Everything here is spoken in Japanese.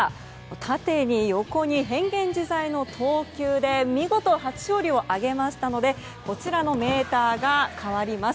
縦に、横に変幻自在の投球で見事、初勝利を挙げましたのでこちらのメーターが変わります。